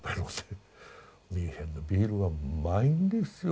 ミュンヘンのビールはうまいんですよ